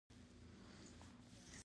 🐒بېزو